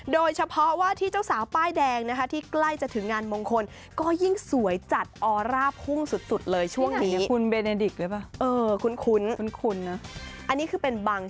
โดยเฉพาะว่าที่เจ้าสาวป้ายแดงนะคะที่ใกล้จะถึงงานมงคลก็ยิ่งสวยจัดออร่าภุ่งสุดเลยช่วงนี้คุณเบเนดิกส์เลยเปล่าเออคุ้นคุ้นคุ้นคุณนะอันนี้คือเป็นบาง